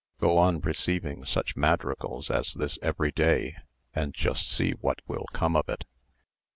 Go on receiving such madrigals as this every day, and just see what will come of it."